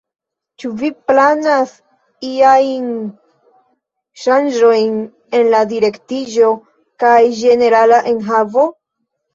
Ĉu vi planas iajn ŝanĝojn en la direktiĝo kaj ĝenerala enhavo?